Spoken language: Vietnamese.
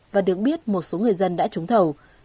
và được biết một số người dân đã trúng thầu